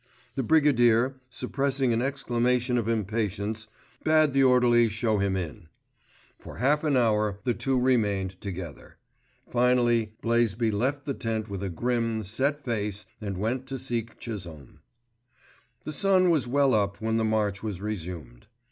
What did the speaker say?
The Brigadier, suppressing an exclamation of impatience, bade the orderly shew him in. For half an hour the two remained together. Finally Blaisby left the tent with a grim, set face and went to seek Chisholme. The sun was well up when the march was resumed.